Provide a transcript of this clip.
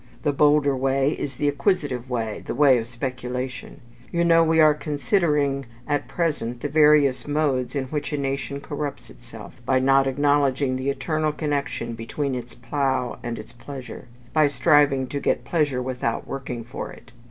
The bolder way is the acquisitive way: the way of speculation. You know we are considering at present the various modes in which a nation corrupts itself, by not acknowledging the eternal connection between its plough and its pleasure; by striving to get pleasure, without working for it.